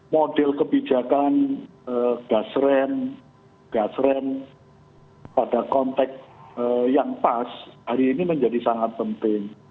model kebijakan gas gas ren pada konteks yang pas hari ini menjadi sangat penting